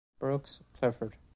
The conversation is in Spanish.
Brooks, Clifford.